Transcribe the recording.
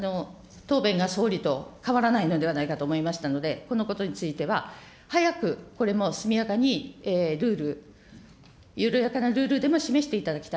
答弁が総理と変わらないのではないかと思いましたので、このことについては早くこれも速やかにルール、緩やかなルールでも示していただきたい。